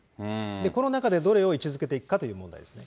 この中で、どれを位置づけていくかという問題ですね。